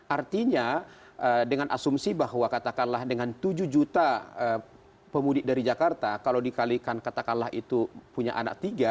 artinya dengan asumsi bahwa katakanlah dengan tujuh juta pemudik dari jakarta kalau dikalikan katakanlah itu punya anak tiga